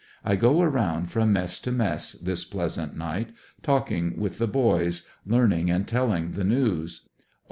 I go around from mess to mess this pleasant night talking with the boys, learning and telling the news.